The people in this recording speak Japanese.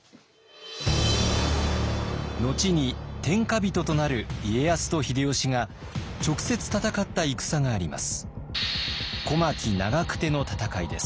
後に天下人となる家康と秀吉が直接戦った戦があります。